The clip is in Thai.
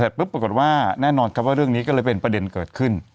ปุ๊บปรากฏว่าแน่นอนครับว่าเรื่องนี้ก็เลยเป็นประเด็นเกิดขึ้น